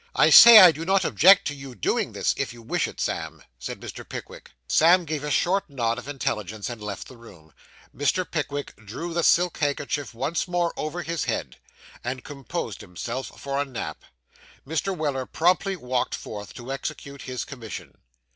I say I do not object to you doing this, if you wish it, Sam,' said Mr. Pickwick. Sam gave a short nod of intelligence, and left the room. Mr. Pickwick drew the silk handkerchief once more over his head, And composed himself for a nap. Mr. Weller promptly walked forth, to execute his commission.